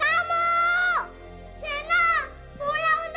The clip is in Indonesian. nanti kerja kerjaarius tuh department